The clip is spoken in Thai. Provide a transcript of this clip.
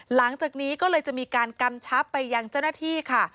หลังจากนี้ก็เลยจะมีการกำชับไปยังเจ้าหน้าที่ค่ะ